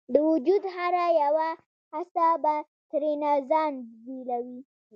د وجود هره یوه حصه به ترېنه ځان بیلوي